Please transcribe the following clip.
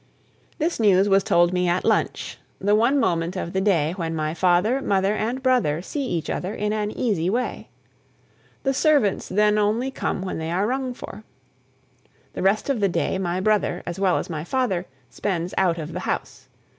This news was told me at lunch, the one moment of the day when my father, mother, and brother see each other in an easy way. The servants then only come when they are rung for. The rest of the day my brother, as well as my father, spends out of the house.